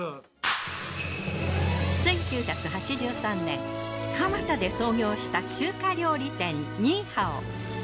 １９８３年蒲田で創業した中華料理店ニーハオ。